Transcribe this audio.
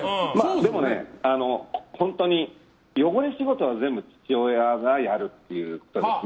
でもね、本当に汚れ仕事は全部父親がやるってことですね。